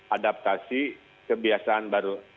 adaptasi kebiasaan baru